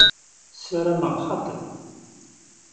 Sarameɣ xaṭi.